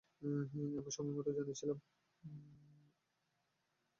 আমি সময়মতো জানিয়েছিলাম।